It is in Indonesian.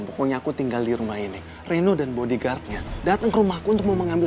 pokoknya aku tinggal di rumah ini reno dan bodyguardnya datang rumahku untuk mengambil